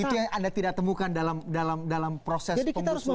itu yang anda tidak temukan dalam proses pemusuhan